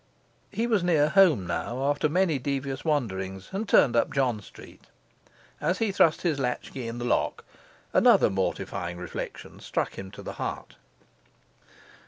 He was near home now, after many devious wanderings, and turned up John Street. As he thrust his latchkey in the lock, another mortifying reflection struck him to the heart.